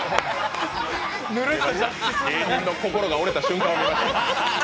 芸人の心が折れた瞬間が。